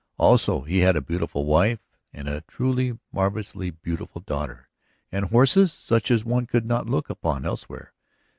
Also he had a beautiful wife and a truly marvellously beautiful daughter. And horses such as one could not look upon elsewhere.